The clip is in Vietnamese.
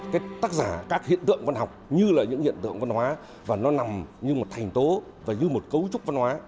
các tác giả các hiện tượng văn học như là những hiện tượng văn hóa và nó nằm như một thành tố và như một cấu trúc văn hóa